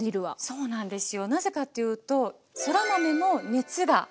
そうなんですよ。